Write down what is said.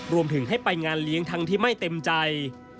รวมถึงให้ไปงานเลี้ยงทั้งที่ไม่เต็มใจ